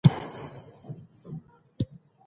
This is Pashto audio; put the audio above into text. کاروبار په دوام او مقاومت کې دی.